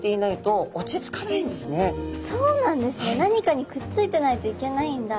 何かにくっついてないといけないんだ。